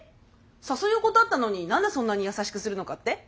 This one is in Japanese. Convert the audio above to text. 誘いを断ったのに何でそんなに優しくするのかって？